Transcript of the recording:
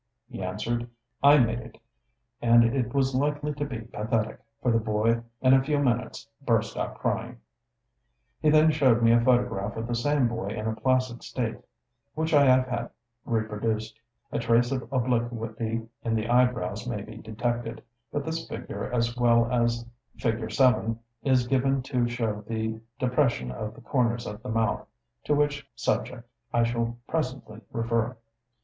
He answered, "I made it, and it was likely to be pathetic, for the boy in a few minutes burst out crying." He then showed me a photograph of the same boy in a placid state, which I have had (fig. 4) reproduced. In fig. 6, a trace of obliquity in the eyebrows may be detected; but this figure, as well as fig. 7, is given to show the depression of the corners of the mouth, to which subject I shall presently refer.